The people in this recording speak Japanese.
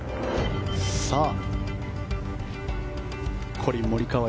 コリン・モリカワ